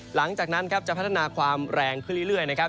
หลังจากนั้นครับจะพัฒนาความแรงขึ้นเรื่อยนะครับ